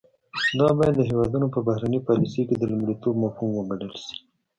دا باید د هیوادونو په بهرنۍ پالیسۍ کې د لومړیتوب مفهوم وګڼل شي